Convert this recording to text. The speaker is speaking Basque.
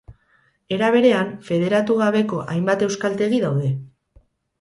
Era berean, federatu gabeko hainbat euskaltegi daude.